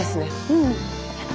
うん。